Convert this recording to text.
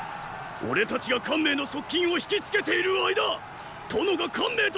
俺たちが汗明の側近を引きつけている間殿が汗明と戦えるのだ！